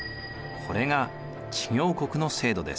これが知行国の制度です。